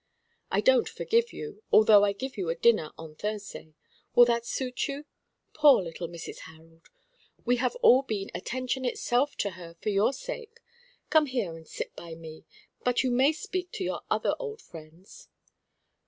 "I don't forgive you, although I give you a dinner on Thursday. Will that suit you? Poor little Mrs. Harold! We have all been attention itself to her for your sake. Come here and sit by me; but you may speak to your other old friends."